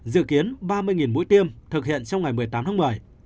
dự kiến ba mươi mũi tiêm thực hiện trong ngày một mươi tám tháng một mươi